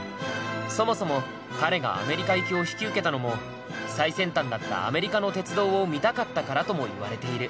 そもそも彼がアメリカ行きを引き受けたのも最先端だったアメリカの鉄道を見たかったからとも言われている。